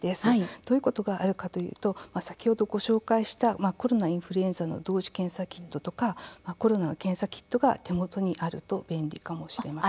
どういうことがあるかというと先ほどご紹介したコロナ、インフルエンザの同時検査キットとかコロナの検査キットが手元にあると便利かもしれません。